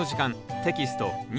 テキスト２